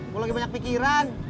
gue lagi banyak pikiran